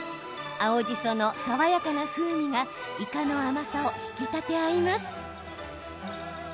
青じその爽やかな風味がイカの甘さを引き立て合います。